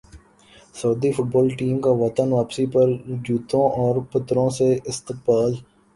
سعودی football team کا وطن واپسی پر جوتوں اور پتھروں سے استقبال